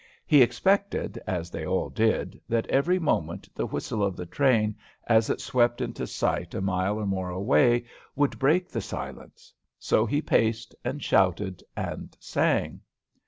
He expected, as they all did, that every moment the whistle of the train, as it swept into sight a mile or more away, would break the silence; so he paced, and shouted, and sang.